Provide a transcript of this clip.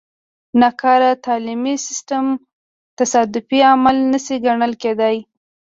ناکاره تعلیمي سیستم تصادفي عمل نه شي ګڼل کېدای.